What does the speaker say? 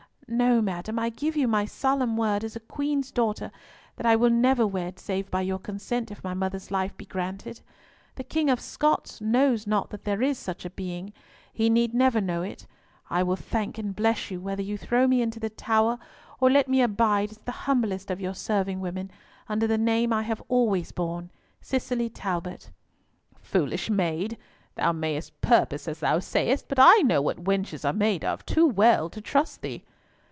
"No, madam. I give you my solemn word as a Queen's daughter that I will never wed, save by your consent, if my mother's life be granted. The King of Scots knows not that there is such a being. He need never know it. I will thank and bless you whether you throw me into the Tower, or let me abide as the humblest of your serving women, under the name I have always borne, Cicely Talbot." "Foolish maid, thou mayest purpose as thou sayest, but I know what wenches are made of too well to trust thee."